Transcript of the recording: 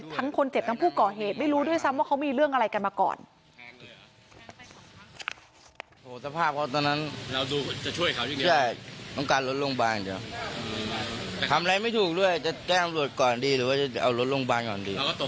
ทั้งคนเจ็บทั้งผู้ก่อเหตุไม่รู้ด้วยซ้ำว่าเขามีเรื่องอะไรกันมาก่อน